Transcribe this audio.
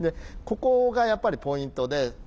ここがやっぱりポイントで。